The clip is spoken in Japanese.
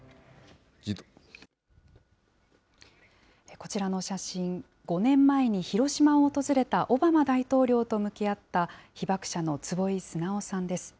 こちらの写真、５年前に広島を訪れたオバマ大統領と向き合った、被爆者の坪井直さんです。